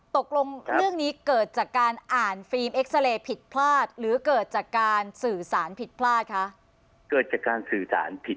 ตกลงเรื่องนี้เกิดจากการอ่านฟิล์มเอ็กซ์เรย์ผิดพลาดหรือเกิดจากการสื่อสารผิดพลาดคะ